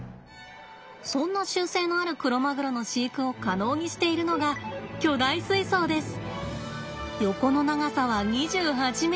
そんな習性のあるクロマグロの飼育を可能にしているのが巨大水槽です。